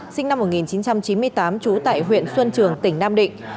sinh năm một nghìn chín trăm chín mươi tám trú tại huyện xuân trường tỉnh nam định